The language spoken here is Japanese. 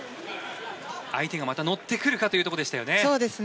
相手がまた乗ってくるかというところでしたよね。